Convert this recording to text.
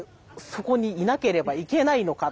そこにいなければいけないのか？